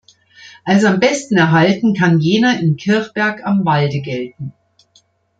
Als am besten erhalten kann jener in Kirchberg am Walde gelten.